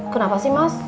kenapa sih mas